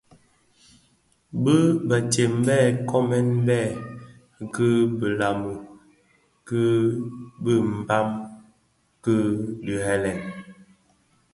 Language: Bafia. Di bë kodo bëtsem bë bë koomè bèè ki bilama ki bizizig bi Mbam kidhilè,